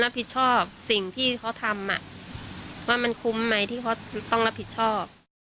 สิ่งที่เขาทำว่ามันคุ้มไหมที่เขาต้องรับผิดชอบ